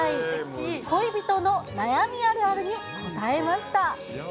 恋人の悩みあるあるに答えました。